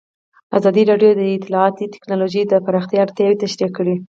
ازادي راډیو د اطلاعاتی تکنالوژي د پراختیا اړتیاوې تشریح کړي.